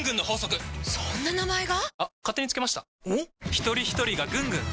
ひとりひとりがぐんぐん！